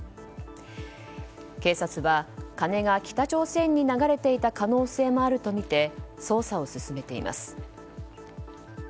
警察は金が北朝鮮に流れていた可能性もあるとみて捜査を進めています。